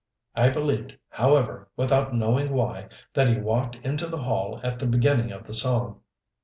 I believed, however, without knowing why, that he walked into the hall at the beginning of the song.